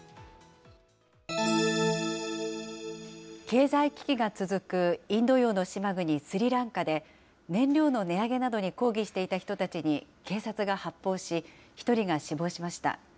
経済危機が続くインド洋の島国スリランカで、燃料の値上げなどに抗議していた人たちに警察が発砲し、１人が死亡しました。